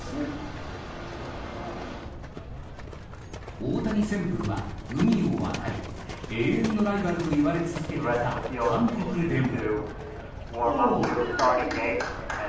大谷旋風は海を渡り永遠のライバルといわれ続けてきた韓国でも。